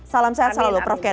salam sehat selalu prof